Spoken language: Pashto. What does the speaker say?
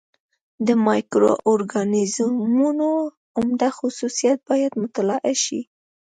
د مایکرو اورګانیزمونو عمده خصوصیات باید مطالعه شي.